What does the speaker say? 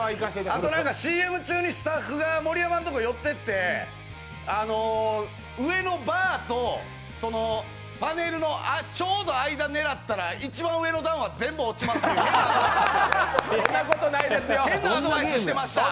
あとＣＭ中にスタッフが盛山のところ寄っていって上のバーとパネルのちょうど間、狙ったら一番上の段は全部落ちますって変なアドバイスしてました。